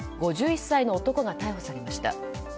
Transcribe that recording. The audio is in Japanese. ５１歳の男が逮捕されました。